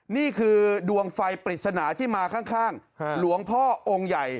นี่คือดวงไฟปริศนาที่มาข้างหลวงพ่อองค์ใหญ่